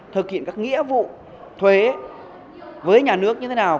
thực hiện các nghĩa vụ thuế với nhà nước như thế nào